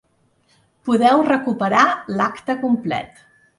Podeu recuperar l’acte complet.